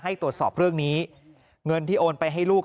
ให้ตรวจสอบเรื่องนี้เงินที่โอนไปให้ลูก